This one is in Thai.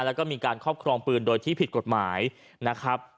แล้วก็มีการครอบครองปืนโดยที่ผิดกฎหมายนะครับ